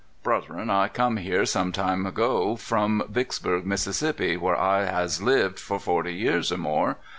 "Bruthren, I come here sometime ago, from Vicksburg, Miss., where I has lived for forty year, or more.